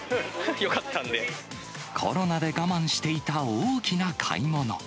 コロナで我慢していた大きな買い物。